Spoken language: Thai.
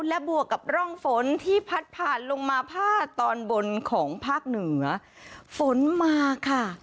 และบวกกับร่องฝนที่พัดผ่านลงมาภาคตอนบนของภาคเหนือฝนมาค่ะ